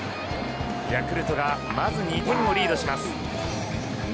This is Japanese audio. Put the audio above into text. ヤクルトがまず２点リードします。